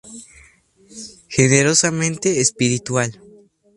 Generosamente espiritual.